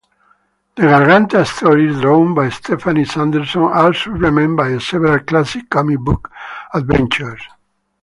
The Garganta stories, drawn by Stephanie Sanderson, are supplemented by several classic comic-book adventures.